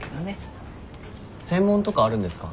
専門とかあるんですか？